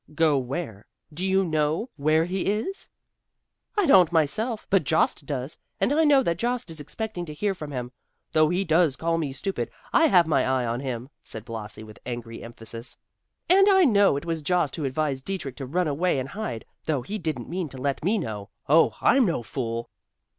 "Go where? do you know where he is?" "I don't, myself, but Jost does, and I know that Jost is expecting to hear from him. Though he does call me stupid, I have my eye on him," said Blasi, with angry emphasis. "And I know it was Jost who advised Dietrich to run away and hide, though he didn't mean to let me know. Oh, I'm no fool!"